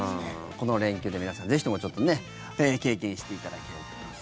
この連休で皆さん、ぜひともちょっと経験していただきたいと思います。